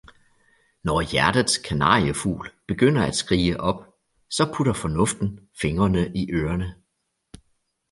Når hjertets kanariefugl begynder at skrige op, så putter fornuften fingrene i ørene